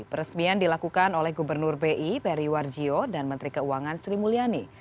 peresmian dilakukan oleh gubernur bi peri warjio dan menteri keuangan sri mulyani